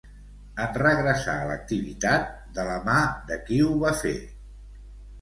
En regressar a l'activitat, de la mà de qui ho va fer?